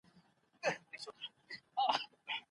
د کار قوه د اقتصادي ودي لپاره بنسټیز عامل دی.